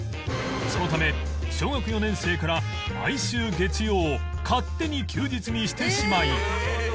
そのため小学４年生から毎週月曜を勝手に休日にしてしまい